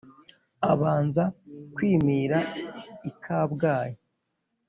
abanza kwimira i kabgayi